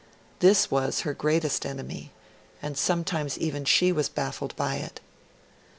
This was her greatest enemy, and sometimes even she was baffled by it.